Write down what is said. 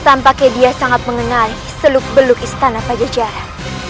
tampaknya dia sangat mengenali seluk beluk istana pajajaran